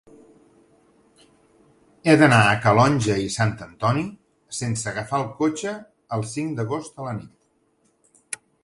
He d'anar a Calonge i Sant Antoni sense agafar el cotxe el cinc d'agost a la nit.